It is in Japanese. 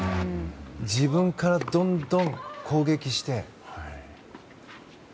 自分からどんどん攻撃して。